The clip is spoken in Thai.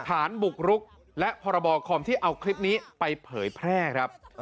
ฐานบุกรุกและพรบคอมที่เอาคลิปนี้ไปเผยแพร่ครับ